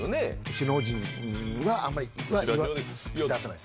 首脳陣はあんまり口出さない